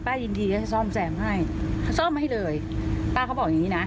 ป้ายินดีจะซ่อมแสงให้ซ่อมให้เลยป้าเขาบอกอย่างงี้น่ะ